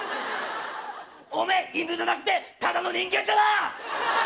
おめえ犬じゃなくてただの人間だな！